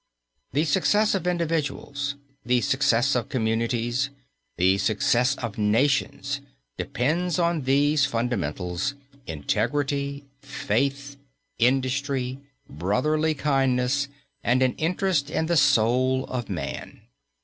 The success of individuals, the success of communities, the success of nations, depends on these fundamentals, integrity, faith, industry, brotherly kindness and an interest in the soul of man.